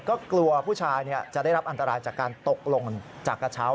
ก็กลัวผู้ชายจะได้รับอันตรายจากการตกลงจากกระเช้า